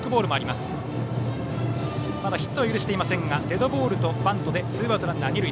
まだヒットは許していませんがデッドボールとバントでツーアウト二塁。